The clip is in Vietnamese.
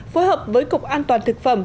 phối hợp với cục an toàn thực phẩm